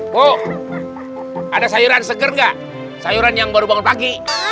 bu ada sayuran seger nggak sayuran yang baru bangun pagi